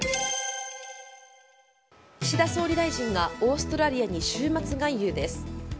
岸田総理大臣がオーストラリアに週末外遊です。